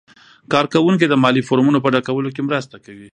کارکوونکي د مالي فورمو په ډکولو کې مرسته کوي.